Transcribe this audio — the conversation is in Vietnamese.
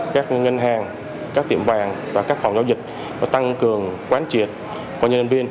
các ngân hàng các tiệm vàng và các phòng giao dịch tăng cường quán triệt của nhân viên